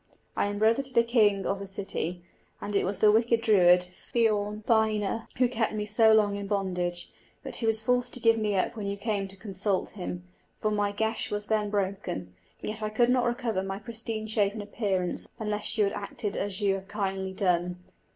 I am brother of the king of the city; and it was the wicked Druid, Fionn Badhna, who kept me so long in bondage; but he was forced to give me up when you came to consult him, for my geis was then broken; yet I could not recover my pristine shape and appearance unless you had acted as you have kindly done.